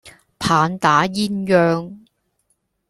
棒打鴛鴦